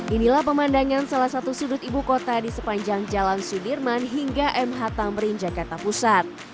inilah pemandangan salah satu sudut ibu kota di sepanjang jalan sudirman hingga mh tamrin jakarta pusat